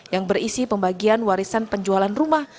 yang berisi pembagian warisan penjualan rumah